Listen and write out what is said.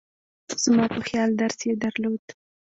زما په خیال درس یې درلود.